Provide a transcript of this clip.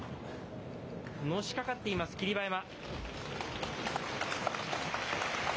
のしかかっています、霧馬山。